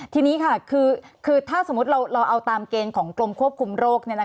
ทีนี้ค่ะคือถ้าสมมุติเราเอาตามเกณฑ์ของกรมควบคุมโรค